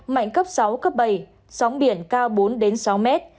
mạnh cấp sáu cấp bảy sóng biển cao bốn sáu mét